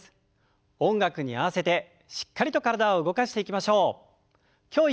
音楽に合わせてしっかりと体を動かしていきましょう。